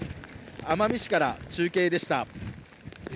奄美市から中継でした。